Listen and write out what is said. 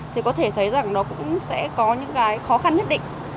thì có thể thấy rằng nó cũng sẽ có những cái khó khăn nhất định